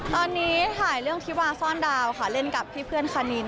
ตอนนี้ถ่ายเรื่องที่วาซ่อนดาวค่ะเล่นกับพี่เพื่อนคานิน